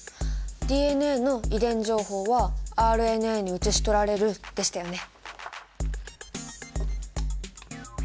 「ＤＮＡの遺伝情報はＲＮＡに写し取られる」でしたよね。